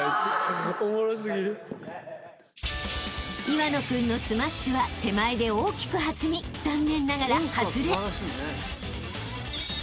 ［岩野君のスマッシュは手前で大きく弾み残念ながら外れ］